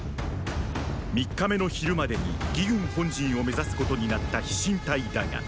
三日目の昼までに魏軍本陣を目指すことになった飛信隊だが。